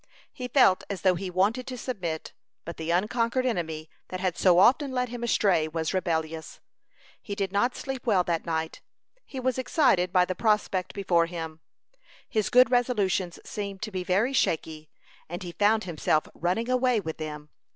He felt as though he wanted to submit, but the unconquered enemy that had so often led him astray was rebellious. He did not sleep well that night. He was excited by the prospect before him. His good resolutions seemed to be very shaky, and he found himself running away from them.